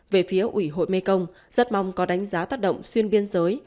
về phía ủy hội mê công rất mong có đánh giá tác động xuyên biên giới